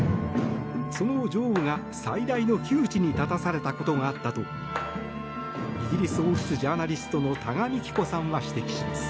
その女王が最大の窮地に立たされたことがあったとイギリス王室ジャーナリストの多賀幹子さんは指摘します。